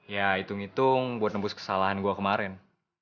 ya hitung hitung buat nembus kesalahan gue kemarin